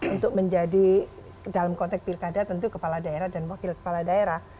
untuk menjadi dalam konteks pilkada tentu kepala daerah dan wakil kepala daerah